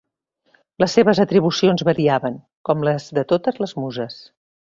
Les seves atribucions variaven, com les de totes les muses.